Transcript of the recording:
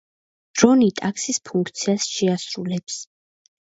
დრონი ტაქსის ფუნქციას შეასრულებს.